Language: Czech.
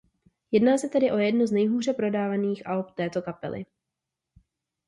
Jedná se tedy o jedno z nejhůře prodávaných alb této kapely.